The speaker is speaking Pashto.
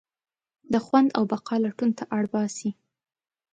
د خوند او بقا لټون ته اړباسي.